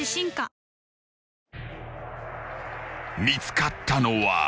［見つかったのは］